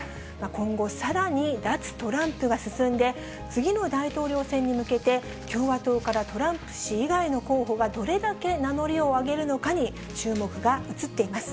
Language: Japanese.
今後、さらに脱トランプが進んで、次の大統領選に向けて、共和党からトランプ氏以外の候補がどれだけ名乗りを上げるのかに注目が移っています。